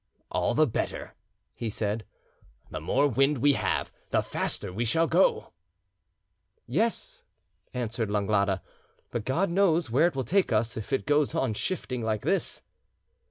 "All the better," he said; "the more wind we have, the faster we shall go." "Yes," answered Langlade, "but God knows where it will take us if it goes on shifting like this."